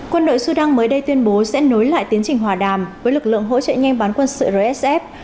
quân đội sudan mới đây tuyên bố sẽ nối lại tiến trình hòa đàm với lực lượng hỗ trợ nhanh bán quân sự rsf